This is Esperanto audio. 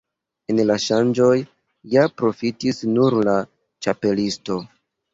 El la ŝanĝoj ja profitis nur la Ĉapelisto.